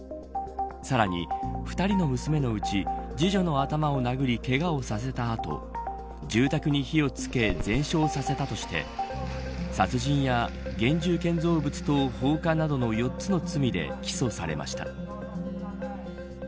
さらに、２人の娘のうち次女の頭を殴りけがをさせたあと住宅に火をつけ全焼させたとして殺人や現住建造物等放火などの４つの罪で起訴されました。